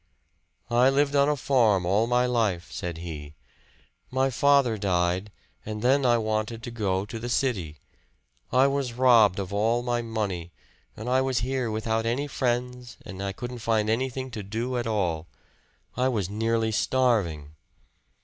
"I lived on a farm all my life," said he. "My father died and then I wanted to go to the city. I was robbed of all my money, and I was here without any friends and I couldn't find anything to do at all. I was nearly starving."